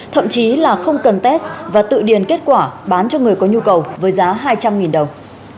thậm chí là không cần test và tự điền kết quả bán cho người có nhu cầu với giá hai trăm linh đồng